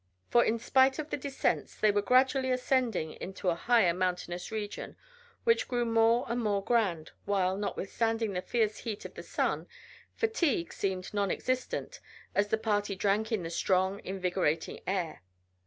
For in spite of the descents they were gradually ascending into a higher mountainous region which grew more and more grand, while, notwithstanding the fierce heat of the sun, fatigue seemed non existent, as the party drank in the strong, invigorating air.